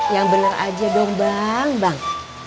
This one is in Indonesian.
yang bener aja dong bang bang